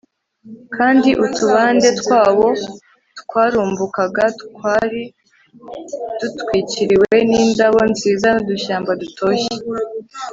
kandi utubande twawo twarumbukaga twari dutwikiriwe nindabo nziza nudushyamba dutoshye